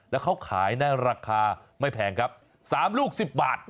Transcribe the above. แล้วเขาขายในราคาไม่แพงครับ๓ลูก๑๐บาท